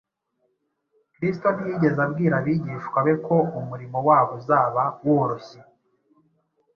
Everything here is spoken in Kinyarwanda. Kristo ntiyigeze abwira abigishwa be ko umurimo wabo uzaba woroshye.